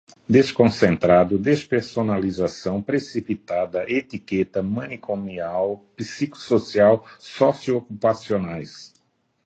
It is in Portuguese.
desconcentrado, despersonalização, precipitada, etiqueta, manicomial, psicossocial, sócio-ocupacionais